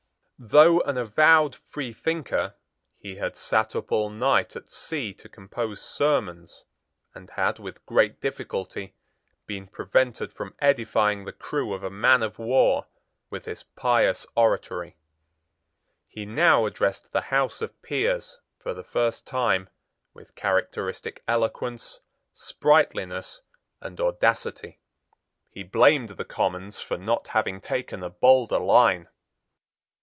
Though an avowed freethinker, he had sate up all night at sea to compose sermons, and had with great difficulty been prevented from edifying the crew of a man of war with his pious oratory. He now addressed the House of Peers, for the first time, with characteristic eloquence, sprightliness, and audacity. He blamed the Commons for not having taken a bolder line.